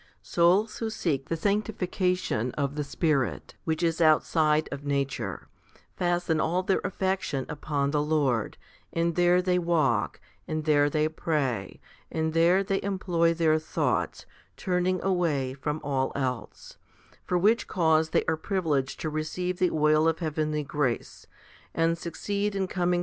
Souls who seek the sanctification of the Spirit, which is outside of nature, fasten all their affection upon the Lord, and there they walk, and there they pray, and there they employ their thoughts, turning away from all else; for which cause they are privileged to receive the oil of heavenly grace, and succeed in coming 1 Phil, ii.